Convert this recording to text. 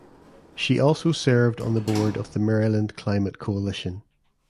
She also served on the board of the Maryland Climate Coalition.